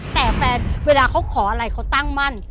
แต่แฟนเวลาเขาขออะไรเขาตั้งมั่น